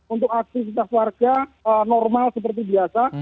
untuk aktivitas warga normal seperti biasa